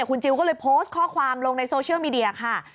คุณจิลก็เลยโพสต์ข้อความลงในโซเชียลมีเดียค่ะ